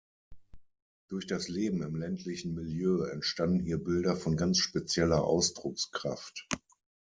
Durch das Leben im ländlichen Milieu entstanden hier Bilder von ganz spezieller Ausdruckskraft.